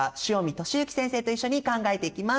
汐見稔幸先生と一緒に考えていきます。